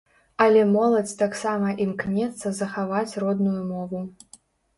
Але моладзь таксама імкнецца захаваць родную мову.